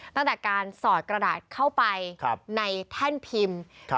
ตั้งแต่การสอดกระดาษเข้าไปในแท่นพิมพ์